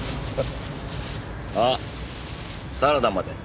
あっサラダまで。